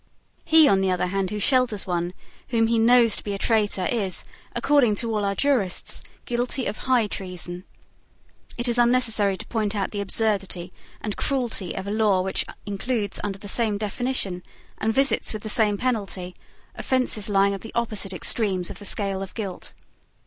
He, on the other hand, who shelters one whom he knows to be a traitor is, according to all our jurists, guilty of high treason. It is unnecessary to point out the absurdity and cruelty of a law which includes under the same definition, and visits with the same penalty, offences lying at the opposite extremes of the scale of guilt.